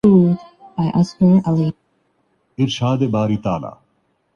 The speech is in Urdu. ہم تلخیِ کلام پہ مائل ذرا نہ تھے